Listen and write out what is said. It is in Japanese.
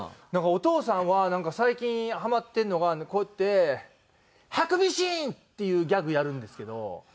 お父さんはなんか最近ハマってるのがこうやって「ハクビシン！」っていうギャグやるんですけど。